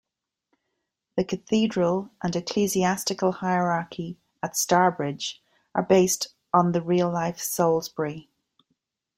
The cathedral and ecclesiastical hierarchy at Starbridge are based on the real-life Salisbury.